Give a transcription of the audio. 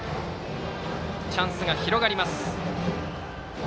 チャンスが広がります。